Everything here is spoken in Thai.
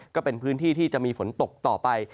ก็เป็นพื้นที่ที่จะมีฝนตกต่อไป